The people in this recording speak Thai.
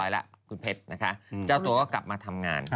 แล้วคุณเพชรนะคะเจ้าตัวก็กลับมาทำงาน